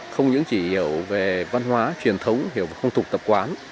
không những chỉ hiểu về văn hóa truyền thống hiểu về không thục tập quán